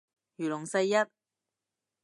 如龍世一